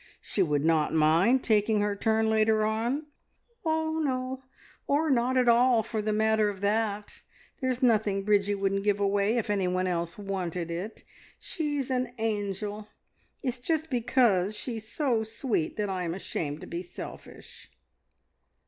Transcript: She would not mind taking her turn later on?" "Oh no, or not at all, for the matter of that. There's nothing Bridgie wouldn't give away if anyone else wanted it. She's an angel. It's just because she's so sweet that I'm ashamed to be selfish."